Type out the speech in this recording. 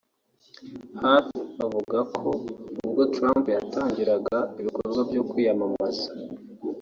Harth avuga ko ubwo Trump yatangiraga ibikorwa byo kwiyamamaza